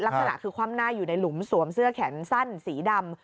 ลักษณะคือคว่ำหน้าอยู่ในหลุมสวมเสื้อแขนสั้นสีดำ